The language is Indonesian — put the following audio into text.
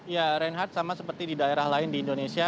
ya reinhardt sama seperti di daerah lain di indonesia